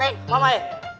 eh mama eh